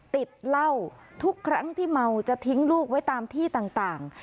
ติดเหล้าทุกครั้งที่เมาจะทิ้งลูกไว้ตามที่ต่าง